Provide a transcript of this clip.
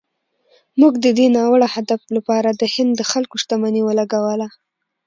موږ د دې ناوړه هدف لپاره د هند د خلکو شتمني ولګوله.